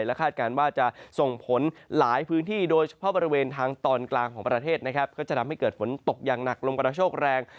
และคาดการณ์ว่าจะส่งผลหลายพื้นที่โดยเฉพาะบริเวณทางตอนกลางของประเทศนะครับก็จะทำให้เกิดฝนตกอย่างหนักลมกระโชคแรง